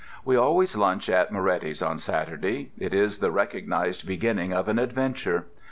We always lunch at Moretti's on Saturday: it is the recognized beginning of an adventure.